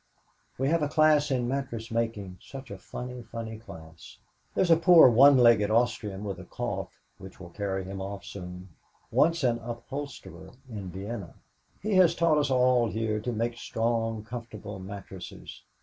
"We have a class in mattress making such a funny, funny class. There's a poor one legged Austrian with a cough which will carry him off soon, once an upholsterer in Vienna. He has taught us all here to make strong, comfortable mattresses.